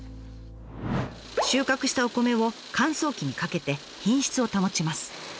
収穫したお米を乾燥機にかけて品質を保ちます。